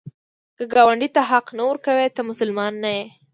که ګاونډي ته حق نه ورکوې، ته مسلمان نه یې